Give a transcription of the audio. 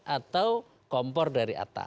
atau kompor dari atas